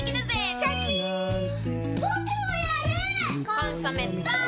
「コンソメ」ポン！